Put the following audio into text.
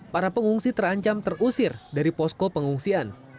para pengungsi terancam terusir dari posko pengungsian